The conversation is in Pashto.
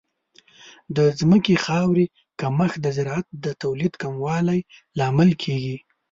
د ځمکې خاورې کمښت د زراعت د تولید کموالی لامل کیږي.